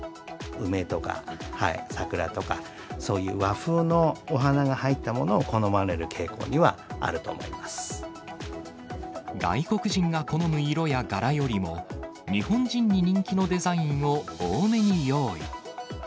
梅とか、桜とか、そういう和風のお花が入ったものを好まれる傾向にはあると思いま外国人が好む色や柄よりも、日本人に人気のデザインを多めに用意。